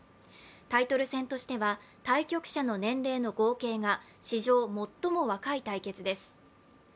タイトル戦としては対局者の年齢の合計が史上最も若い対決です。